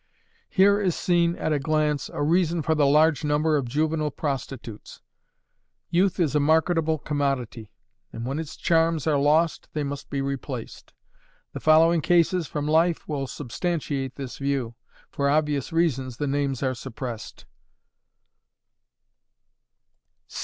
Here is seen, at a glance, a reason for the large number of juvenile prostitutes. Youth is a marketable commodity, and when its charms are lost, they must be replaced. The following cases, from life, will substantiate this view. For obvious reasons, the names are suppressed.